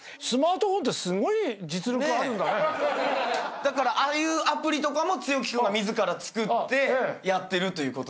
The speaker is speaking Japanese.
だからああいうアプリとかも毅君が自ら作ってやってるということですから。